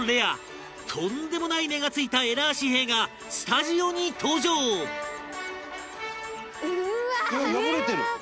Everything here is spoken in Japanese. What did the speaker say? とんでもない値が付いたエラー紙幣がスタジオに登場伊達：破れてる！